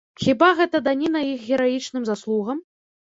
Хіба гэта даніна іх гераічным заслугам?